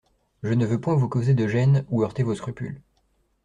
Je ne veux point vous causer de gêne ou heurter vos scrupules.